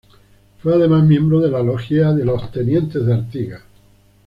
Fue además miembro de la logia de los Tenientes de Artigas.